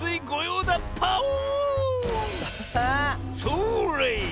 それ！